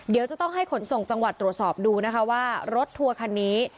เดี๋ยวจะต้องให้ขนส่งจังหวัดตรวจสอบดูนะคะว่ารถทัวร์คันนี้